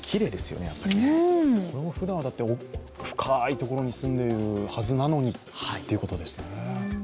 ふだんは深いところにすんでいるはずなのにということですね。